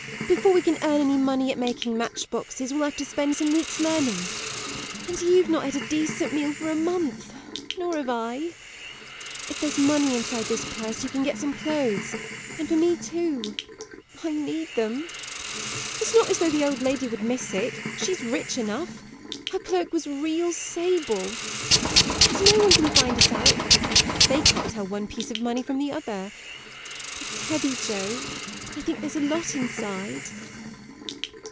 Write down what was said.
Before we can earn any money at making matchboxes we'll have to spend some weeks learning. And you've not had a decent meal for a month nor have I. If there's money inside this purse you can get some clothes and for me too I need them! It's not as though the old lady would miss it she's rich enough her cloak was real sable and no one can find us out they can't tell one piece of money from the other. It's heavy, Joe I think there's a lot inside.